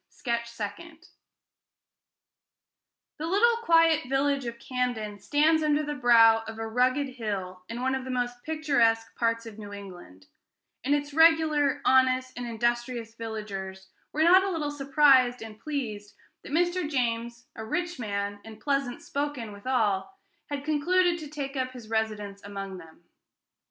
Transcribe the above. SKETCH SECOND The little quiet village of Camden stands under the brow of a rugged hill in one of the most picturesque parts of New England; and its regular, honest, and industrious villagers were not a little surprised and pleased that Mr. James, a rich man, and pleasant spoken withal, had concluded to take up his residence among them.